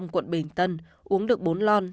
quận bình tân uống được bốn lon